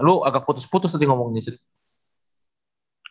lu agak putus putus tadi ngomongnya sih itu ya